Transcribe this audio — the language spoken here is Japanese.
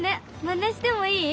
まねしてもいい？